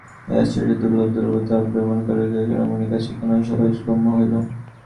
এই আশ্চর্য দুর্লভ দৈবলব্ধ ব্রাহ্মণবালকটি সোনামণির কাছে কেন সহজগম্য হইল।